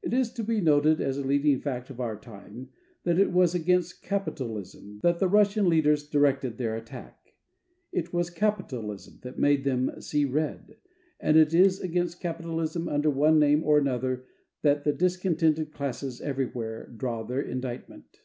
It is to be noted as a leading fact of our time that it was against ŌĆ£capitalismŌĆØ that the Russian leaders directed their attack. It was capitalism that made them see red; and it is against capitalism under one name or another that the discontented classes everywhere draw their indictment.